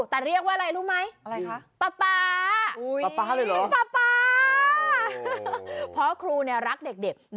แต่เรียกว่าอะไรรู้ไหม